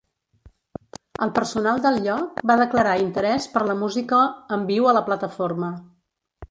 El personal del lloc va declarar interés per la música en viu a la plataforma.